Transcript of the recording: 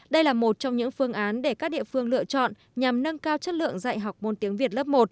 đây là một trong những phương án để các địa phương lựa chọn nhằm nâng cao chất lượng dạy học môn tiếng việt lớp một